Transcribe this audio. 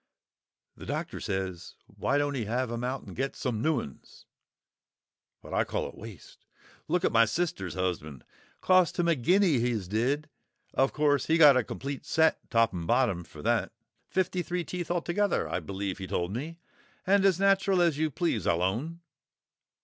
"The doctor says why don't he have 'em out and get some new 'uns? But I call it waste. Look at my sister's husband: cost him a guinea his did! Of course, he got a complete set top and bottom for that, fifty three teeth altogether I believe he told me, and as natural as you please, I'll own.